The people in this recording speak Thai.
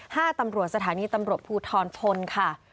ตำรวจสถานีตำรวจภูทรพลค่ะ